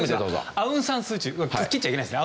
アウンサンスーチー切っちゃいけないですね。